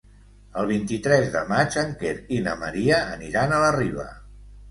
El vint-i-tres de maig en Quer i na Maria aniran a la Riba.